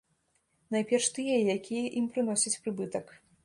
Найперш тыя, якія ім прыносяць прыбытак.